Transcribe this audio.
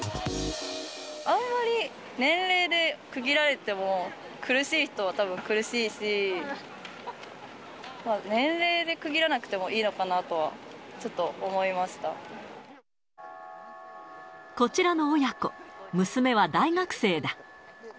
あんまり年齢で区切られても、苦しい人はたぶん苦しいし、年齢で区切らなくてもいいのかなこちらの親子、娘は大学生だ。